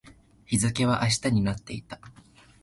日付は明日になっていた